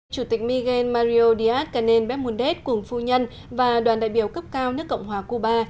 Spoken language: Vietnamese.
chủ tịch miguel mario díaz canel béb mundet cuồng phu nhân và đoàn đại biểu cấp cao nước cộng hòa cuba